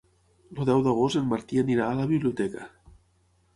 El deu d'agost en Martí anirà a la biblioteca.